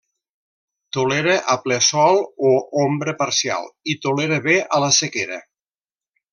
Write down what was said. Tolera a ple sol o ombra parcial i tolera bé a la sequera.